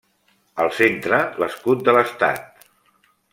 Al centre l'escut de l'estat.